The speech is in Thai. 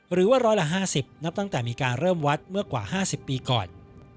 หรือว่าร้อยละ๕๐นับตั้งแต่มีการเริ่มวัดเมื่อกว่า๕๐ปีก่อน